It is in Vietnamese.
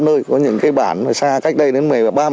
nơi có những cái bản xa cách đây đến ba mươi bốn km